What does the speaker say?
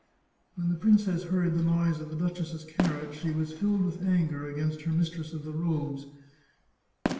When the princess heard the noise of the duchess's car riage, she was filled with anger against her mistress of the robes.